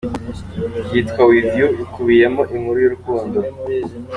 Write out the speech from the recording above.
Yitwa "With You" ikubiyemo inkuru y’urukundo.